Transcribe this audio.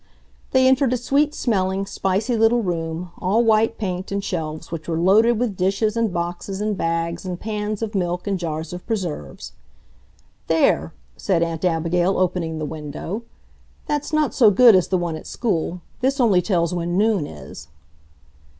They entered a sweet smelling, spicy little room, all white paint, and shelves which were loaded with dishes and boxes and bags and pans of milk and jars of preserves. "There!" said Aunt Abigail, opening the window. "That's not so good as the one at school. This only tells when noon is."